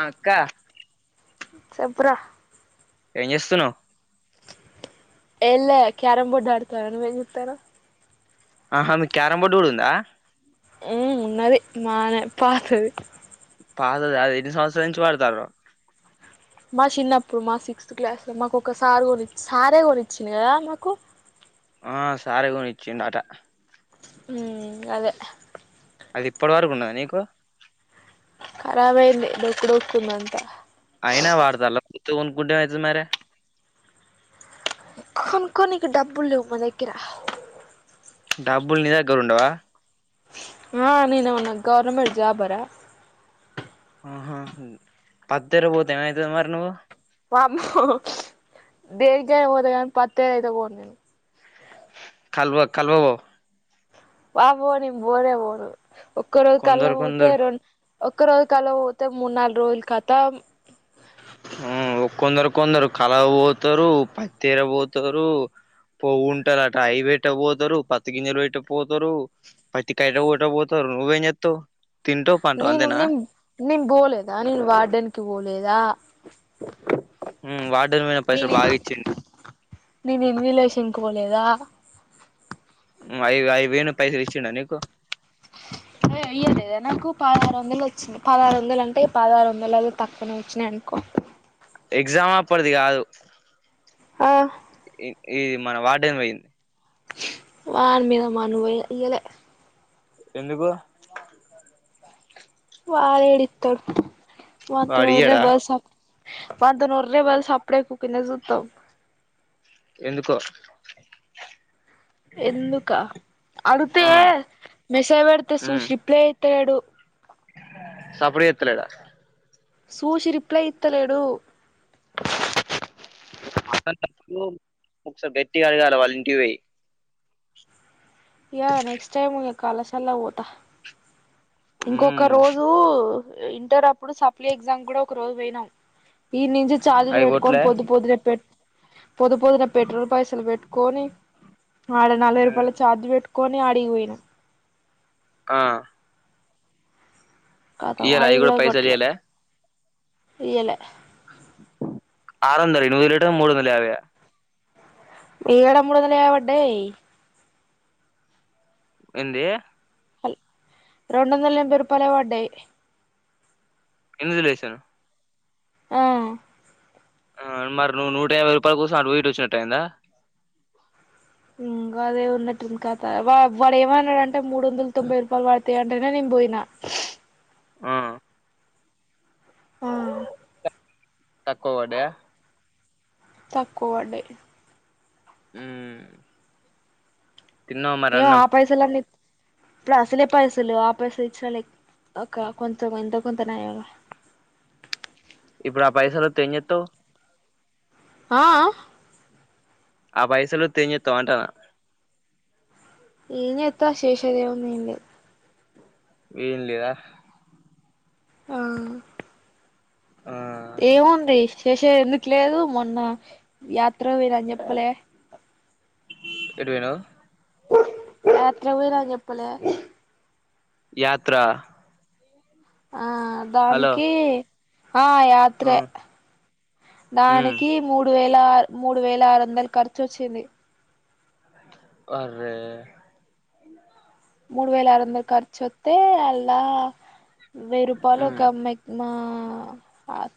అ అక్క చెప్పరా ఏం చేస్తున్నావు్ ఎమ్ లె క్యారం బోర్డ్ ఆడతార నువ్వేం జేత్తరావ్ అహా మీక్ క్యారం బోర్డ్ కూడ ఉందా ఉ ఉన్నది మానె పాతది పాత దా ఎన్ని సంవత్సర నుంచి వాడతారు మా చిన్నప్పుడు మా సిక్స్త్ క్లాస్ లో మాకు ఒకసారి కొని సారే కొనిచ్చంది కదా మాకు ఆ సారే కొనిచ్చిండటా మ్ అదే అది ఇప్పటి వరకు ఉన్నదా నీకు ఖరాబయ్యింది డొక్కుడొక్కుందంతా అయినా ఆడుతున్నారా మరి, కొత్తది కొనుకుంటే అయితే మరె కొనుక్కొని డబ్బుల్ లేవు మ దగ్గర డబ్బుల్నిీ దగ్గర ఉండవా ఆ నేను ఏమన్న గవర్నమెంట్ జాబ్ అరా ఆహా పద్దర పోతే ఏమయితే మరి నువ్ బాబు ప దేర్గా పోద కాని పత్తె అయితే పో నేను కల్వ కల్వ బో బాబో నేన్ పోరే పోరు ఒక్క రోజు కళ్ళ కొందరు పోతే కొందరు రెం ఒక్క రోజు కలవ పోతే మూడు నాలుగు రోజుల కతం ఉ కొందరు కొందరు కలవ పోతారు పత్తిర పోతారు పోవుంటరట ఐ పెట్టెకు పోతారు పత్తి గింజలు పెట్ట పోతారు పత్తి కాయలు కూడా పోతారు నువ్వెం చేత్తవ్ నేను ని నేన్ పోలేదా నేను వార్డెన్ కి పోలేదా ఉమ్ వార్డెన్ పోయిన నే పైసలు ని బాగా ఇచ్చిండు నేను ఎన్విలేషన్ కి పోలేదా ఉ అయి అయి వేను పైసల్ ఇచ్చిండా నీకు అ ఇయ్యలేదా నాకు పదహారు వందలు వచ్చింది పదహారు వందలు అంటే పదహారు వందలు తక్కువనే వచ్చినాయి అన్ కు ఎగ్జామ్ అప్పడ్ది కాదు ఆ ఇది మన వార్డెన్ పోయింది వాన్ మీద మన్నుబొయ్య ఇయ్యలె ఎందుకు వాడేడి ఇత్తరు మొత్తం వాడు నూరే ఇయ్యడా బస్ వాల్తోనోర్రే బస్ అప్పుడు చేయకు కిందకు చూస్తావ్ ఎందుకో ఎందుక అడుగుతే ఆ మెషైజ్ పెడితే ఉమ్ చూషి రిప్లే తేడు సప్పుడు చేస్తలేదా సూచి రిప్లై ఇత్తలేడు అట్టంటప్పుడు ఒకసారి గట్టిగా అడగాల వాళ్ళింటికి పోయ్ యా నెక్స్ట్ టైమ్ ఇక కలాశాల పోత ఇంకొక ఉమ్ రోజు ఇంటర్ అప్పుడు సప్లీ ఎగ్జామ్ కూడ ఒక రోజు పోయినా ఈడ్ నుంచి చార్జీలు అవి పెట్టుకొని కొట్లే పొద్దు పొద్దు నె పెట్ పొద్దు పొద్దు నె పెట్రోల్ పైసలు పెట్టుకోొని ఆడ నలభై ఉమ్, రూపాయల చార్జ్ పెట్టుకొని ఆడిగిపోయిన ఆ కతం ఇయ్యాల అయి అవి కూడా పైసలు కొట్లే ఇయ్యాలే ఇయలే ఆరొందలు నువ్వు రిటర్న్ మూడొన్దలియ్యలె ఏడ మూడొందల యాభడ్డయ్ ఏంది హల్ రెండందల ఎన్భై రూపాలే బడ్డయ్ ఇన్విజిలేషన్ ఆ ఆ మరి నువ్ నూట యాభై రూపాయల కోసం అటు బోయ్ ఇటొచ్చినట్టు అయిందా ఉమ్ గదే ఉన్నట్టుంది కత వా వాడేమన్నడంటే మూడు వందలు తొంభై రూపాయలు పడ్ తయ్ అంటేనే నెన్ బోయిన ఆ ఆ తక్కువ బడ్డయా తక్కువ బడ్డయ్ ఉమ్ తిన్నావా మరి ఏమో అన్నం ఆ పైసలన్నీ ఇప్పుడసలే పైసలెవ్ ఆ పైసలు ఇచ్చిన లేక్ అక కొంచెం ఎంతో కొంత నయమె ఇప్పుడా పైసలోత్తే ఏం జెత్తవ్? ఆ ఆ ఆ పైసలొత్తె ఏం జెత్తవంటానా ఏం జెత్త చేషేదేముంది ఏం లేద్ ఏం లేదా ఆ ఆ ఏముంది చేషేదేందుకు లేదు మొన్న యాత్రకు పోయిర్రు అని చెప్పలే ఎటుబోయినవ్ యాత్రకు బోయిన అని జెప్పలే యాత్రా ఆ దానికి ఆ యాత్రే, ఉమ్ ఉమ్ దానికి మూడు వేల్ లార్ మూడు వేల ఆరు వందలు ఖర్చోచ్చింది అర్రే మూడు వేల ఆరు వందలు ఖర్చు ఒత్తే అల్ల వెయ్యి రూపాలు ఉమ్ ఒక మ్మ మా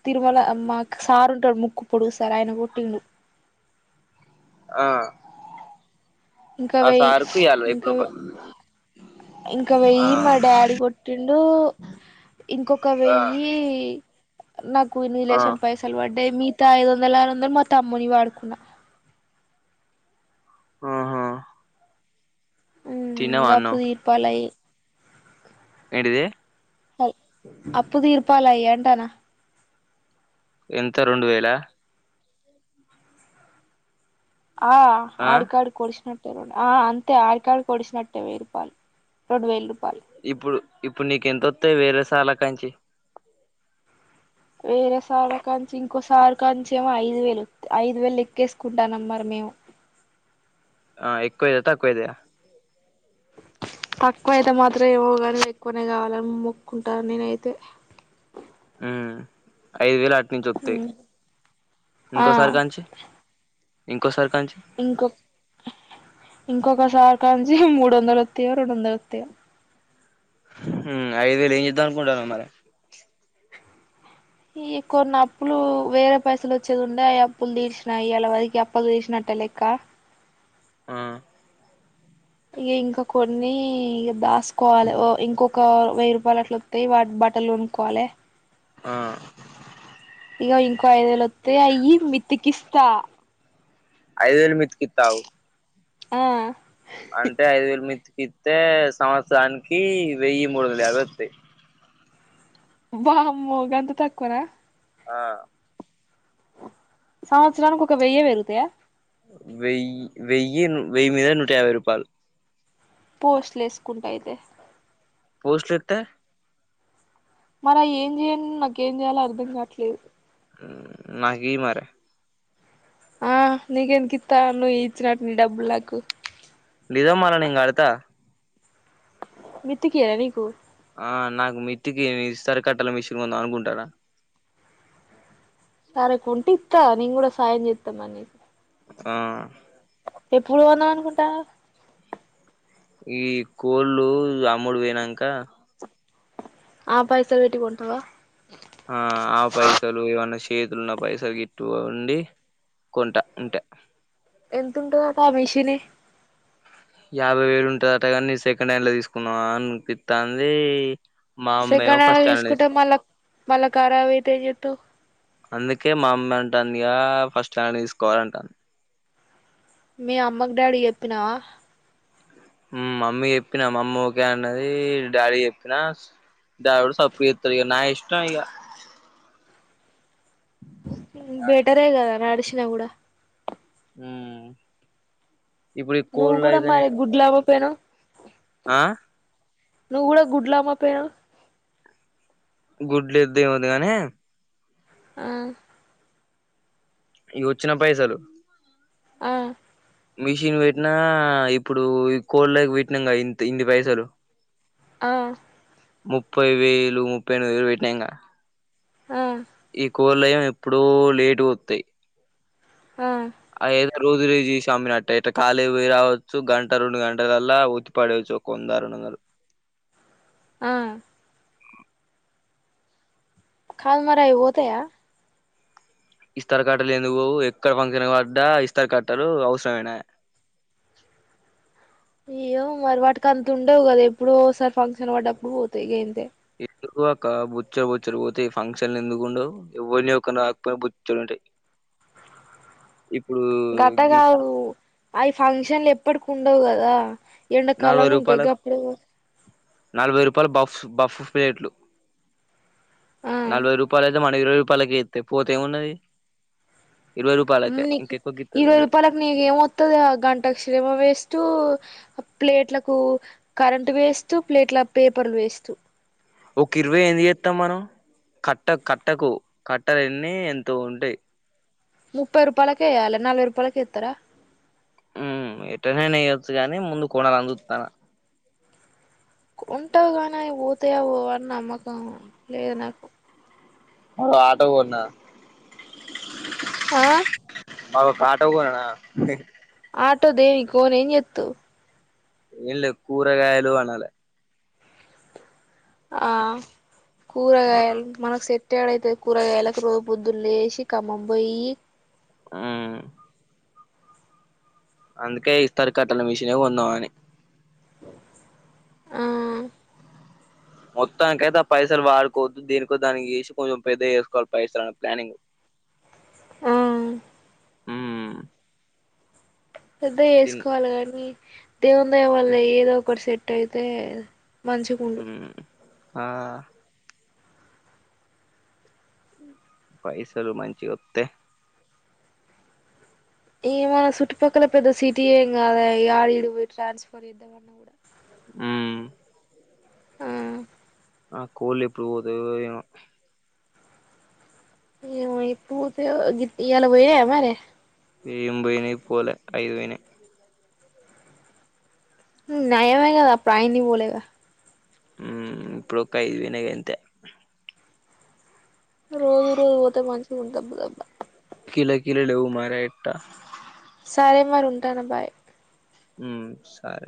తిరుమల మా సారు ఉంటడు ముక్కు పొడుగు సార్ ఆయన గొట్టిండు ఆ ఇంక ఆ వెయి సార్కు ఇయ్యాల ఇంక ఇప్పుడు వే ఒక ఇంక ఆ వెయ్యి మా డాడీ గొట్టిండు ఇంకొక ఆ వెయ్యి నాకు ఆ ఇన్బిజిలేషన్ పైసలు బడ్డయి మీ తా ఐదు వందల్ ఆరు వందల్ మా తమ్మునియి వాడుకున్న. ఆహా ఉమ్ తిన్నవా ఇంగ అప్పు అన్నం తీర్పాలయ్ ఏంటిది అయి అప్పు తీర్పాలయ్యంటానా. ఎంత రెండు వేలా ఆ ఆ ఆడికాడికి ఒడిషినట్ ఆ ఆ అంతే ఆడికాడికొడిషినట్టే వెయ్యి రూపాలు, రెండు వేలు రుప్ ఇప్పుడు ఇప్పుడ్ నీకెంతొత్తయ్ వేరే సార్ల కాంచి వేరే సార్ల కాంచి ఇంకోసార్ కాంచి ఏమో ఐదు వేలు ఐదు వేలు లెక్కేసుకుంటానమ్ మరి మే మేము ఆ ఎక్కువైతయ, తక్కువైతయ తక్కువయితే మాత్రం ఏమో గనీ ఎక్కువనే గావాలని మొక్కున్టాన నేనైతే. ఆ ఐదు వేలు నుంచి వత్తయి ఆ ఇంకోసారి కాంచి ఇంకోసారి కాంచి ఇంకొ ఇంకొకసారి కాంచి మూడు వందలు వత్తాయో రెండు వందలు వత్తాయో ఐదు వేలు ఏం చేద్దాం అనుకుంటున్నావు మరి ఈ కొన్ని అప్పులు వేరే పైసలు వచ్చేది ఉండే ఆ అప్పులు అప్పులుతీర్చిన ఇయ్యాలవరికి అప్పులు తీర్చినట్టు నట్టే లెక్క ఆ ఇగ ఇంకా కొన్ని ఇగ దాసుకోవాలి ఇంకొక వెయ్యి రూపాయలు అట్లు వత్తయి వాటి బట్టలు లు కొనుక్కోవాలే ఆ ఇగ ఇంకో ఐదువేలువత్తే అయ్యి మితికిస్తా ఐదు వేలు మితికిత్తవు ఆ ఇత్తే సంవత్సరానికి వెయ్యి మూడువందల యాభై వత్తాయి వామ్మో గంత తక్కువ నా ఆ సంవత్సరాలనికి ఒక వెయ్యే పెరుగుతాయా వెయ్యి వెయ్యి వెయ్యి మీదా నూట యాభై రూపాయల్ పోస్ట్లు వేసుకుంటాయితే పోస్ట్లో ఎత్తే మరి అయ్యి ఏం చేయను నేను ఏం చేయాలో నాకు అర్థం కావట్లేదు నాకీ మరే ఆ నీకెందుకు ఇత్త నువ్వు ఇచ్చినట్టు నీ డబ్బులు నాకు లేద మళ్ళా నేను కడతా విత్తీకియనా నీకు ఆ నాకు మిట్టికి మిసరు కట్టల మిషన్ కొందాం అనుకుంటున్న. సరే కొంటె ఇత్తా నేను కూడా సాయంచేత్త మరి నీకు ఆ ఎప్పుడు కొందాం అనుకుంటాన్నావు ఇదిగో ఈ కోళ్ళు అమ్ముడు పోయినంక ఆ పైసలు పెట్టీ కొంటావా ఆ ఆ పైసలు ఇవన్న చేతులున్న పైసలు గట్టుగా ఉండి కొంటా అంతే ఎంతంటుందంట ఆ మిషిని యాభై వేలు ఉంటది అట కానీ నేనుసెకండ్ హ్యాండ్ లో తీసుకుందామా అనిపిత్తాంది మా అమ్మేమో సెకండ్ హ్యాండ్ ఫస్ట్ లో తీసుకుంటే తీసుకు మళ్ళ మళ్ళాఖరాబు అయితే ఏం జెస్తావ్ అందుకే మా అమ్మ అంటాది ఇక ఫస్ట్ హ్యాండ్ తీసుకో అంటుంది మీ అమ్మకు డాడీకి చెప్పినావా మమ్మీకి చెప్పినా మమ్మీ ఒక అన్నది డాడీకి చెప్పినా డాడీ కూడా చప్పుడు చేస్తలే ఇగ నా ఇష్టం ఇగ బెటరే గదా నడిసిన కూడా ఉమ్మ్ నువ్వు కూడా మరి గుడ్లాపోతేను ఆ నువ్వు కూడ గుడ్లు అమ్మకపోయినావ గుడ్లు వద్దు ఏమొద్దు కానీ ఆ ఇగ వచ్చిన పైసలు ఆ మిషన్ పెట్టినా ఇప్పుడు కోల్ క్ పెట్టినాం ఇంత ఇన్ని పైసలు ఆ ముప్పై వేలు ముప్పై ఎనిమిది వేలు పెట్నాఇక ఆ ఈ కోలయం ఎప్పుడూ లేటు వతాయి ఆ రోజు రేజీ స్వామినట్ట ఇ ళీ పోయి రావచ్చు గంట రెండు గంటలలా ఒత్తిపడేవచ్చు వంద రెండువందాలు ఆ కాల మరాయి పోతేయా ఇస్తర కట్టలు ఎందుకు ఎక్కడ ఫంక్షన్ పడ్డా ఇస్తరు కట్టలు అవసరమనా అయ్యో మరి వాటికి అంత ఉండేవు కదా ఎప్పుడో సారి ఫంక్షన్ పడ్డప్పుడు పోతాయి గ అంతే ఇ ఒక బుచ్చలు బుచ్చడి పోతే ఫంక్షన్ ఎందుకుండు ఎవరినిని రాకపోయినా బుచ్చలు ఉంటాయి ఇప్పుడు గీ షా- గటగావు అవి ఫంక్షన్లు ఎప్పటికి ఉండవు కదా నలభై ఎండాకాలాలు ఉంటాయి రూపాయలకు గప్పుడు నలభై రూపాయల బఫ్ బఫ్ ప్లేట్లు ఆ నలభై రూపాయల అయితే మన ఇరవై రూపాయలక ఇస్తా పోతే ఏమున్నది ఇరవై ఉ రూపాయలకే నీకు ఇంకెక్కువకి ఇ ఇత్తరు కానీ పాలక్ నీగ మత్తద గంటా శిరమా వేస్టు ప్లేట్లకు కరెంటు వేస్తూ ప్లేట్ల పేపర్లు వేస్తూ ఒక ఇరవై ఎన్ని చేస్తాం మనం కట్ట కట్టకు కట్టలన్నీ ఎంతో ఉంటాయి ముప్పై రూపాయలక వెయ్యాలా నలభై రూపాయలకి ఇస్తారా ఎటనేనే వేయ్యొచ్చు కాగాని ముందు కోణలు అందుతాను ఉంటావు కానీ పోతాయా పోవని నమ్మకం లేదు నాకు ఆటో పోన్నా ఆ మాబ ఫాట్కునా ఆటో దేని కో నన్ ఎత్తు ఏనలే కూరగాయలు వనాల ఆ కూరగాయలు మనకు ఎట్టడైతే కూరగాయలకు రోజ పొద్దులు లేసి కమ్మం పోయి ఉమ్ అందుకే ఈ సరికట్టల మిషన్ కొందాం అని ఆ మొత్తానిక అైతే ఆ పైసలు వాడుకోవద్దు దీనికో దానికి చేసి కొంచెం పెద్ద చేసుకోవాలి పైసలు అనే ప్లానింగ్ మ్మ్ ఉమ్ పెద్ద తిన్ వసుకోవాలి కాని దేవు దయ వాళ్ళ ఏదో ఒకటి సెట్ అయితే మంచగుండు ఉమ్ ఆ పైసలు మంచి గత్తతే ఏ మన చుట్పక్కల పెద్ద సిటీ కాద ఆడిడు పో ట్రాన్స్ఫర్ ఇద్దమన్నా కూడా మ్ మ్మ్ ఆ కోల్ ఎప్పుడు పోదు ఏ ఏ ఇప్పుతే గ ఇలా పోయ మరి వెళబయినే పోలే అఐదువన నయామ కదా ప్రయ ని బోలేగా హ ఇప్పుడుకవి నాగ అంత రోజు రోజు పోతే మంచిగా ఉ దబ్బ దబ్బ కిలో కిలో లేవు మరే ఎట్టా సరే మరి ఉంటాను బాయ్ ఉమ్ సరే